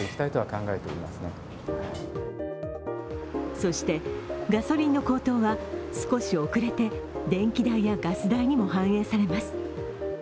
そしてガソリンの高騰は少し遅れて電気代やガス代にも反映されます。